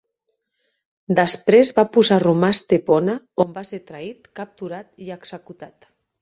Després va posar rumb a Estepona, on va ser traït, capturat i executat.